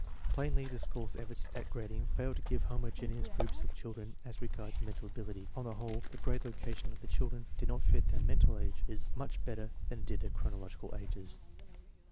Plainly the school's efforts at grading fail to give homogeneous groups of chil dren as regards mental ability. On the whole, the grade location of the children did not fit their mental ages much better than it did their chronological ages.